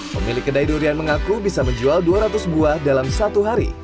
pemilik kedai durian mengaku bisa menjual dua ratus buah dalam satu hari